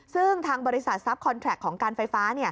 ซึ่งทางบริษัททรัพย์คอนแทรคของการไฟฟ้า